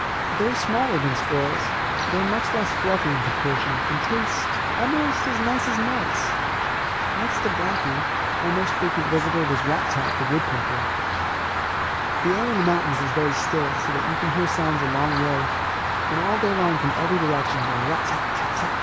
Though smaller than squirrels, they are much less fluffy in proportion, and taste almost as nice as mice. Next to Blacky, our most frequent visitor was Rat tat, the woodpecker. The air in the mountains is very still, so that you can hear sounds a long way, and all day long from every direction the 'rat tat tat tat!'